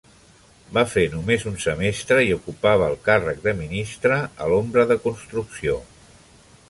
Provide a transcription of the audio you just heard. Va fer només un semestre i ocupava el càrrec de ministre a l'ombra de Construcció.